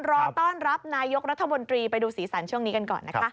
รอต้อนรับนายกรัฐมนตรีไปดูสีสันช่วงนี้กันก่อนนะคะ